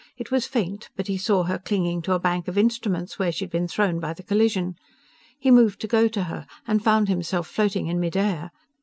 It was faint, but he saw her clinging to a bank of instruments where she'd been thrown by the collision. He moved to go to her, and found himself floating in midair.